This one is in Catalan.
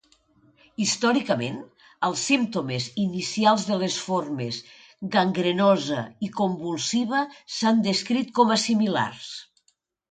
Històricament, els símptomes inicials de les formes gangrenosa i convulsiva s'han descrit com a similars.